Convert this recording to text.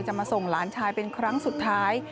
มาส่งหลานชายเป็นครั้งสุดท้าย